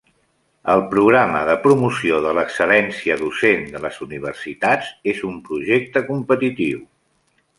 El Programa de Promoció de l'Excel·lència Docent de les Universitats és un projecte competitiu.